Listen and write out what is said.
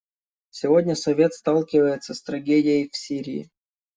Сегодня Совет сталкивается с трагедией в Сирии.